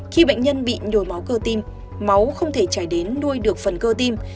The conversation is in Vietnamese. khi bệnh nhân bị nhồi máu cơ tim máu không thể chảy đến nuôi được phần cơ tim